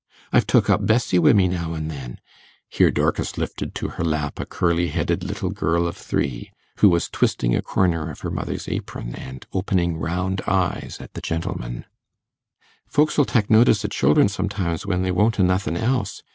I've took up Bessie wi' me now an' then' here Dorcas lifted to her lap a curly headed little girl of three, who was twisting a corner of her mother's apron, and opening round eyes at the gentleman 'folks'll tek notice o' children sometimes when they won't o' nothin' else.